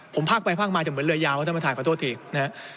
ผมพากไปพากมาจะเหมือนเรือยาวแล้วท่านประธานขอโทษทีนะครับ